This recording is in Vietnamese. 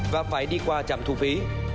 và phải đi qua trạm thu phí